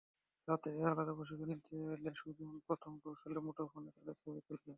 ছাত্রীরা আলাদা প্রশিক্ষণ নিতে এলে সুজন প্রথমে কৌশলে মুঠোফোনে তাঁদের ছবি তুলতেন।